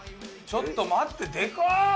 ちょっと待ってでかっ！